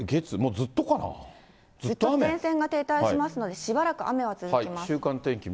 ずっと前線が停滞しますので、しばらく雨は続きます。